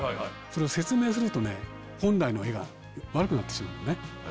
それを説明すると本来の絵が悪くなってしまうのね。